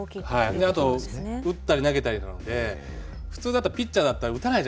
であと打ったり投げたりなので普通だったらピッチャーだったら打たないじゃないですか。